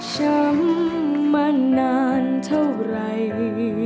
ช้ำมานานเท่าไหร่